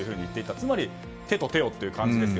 つまり手と手をという感じです。